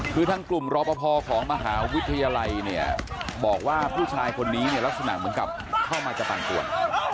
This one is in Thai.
คือทางกลุ่มรอปภของมหาวิทยาลัยเนี่ยบอกว่าผู้ชายคนนี้เนี่ยลักษณะเหมือนกับเข้ามาจะปันปวด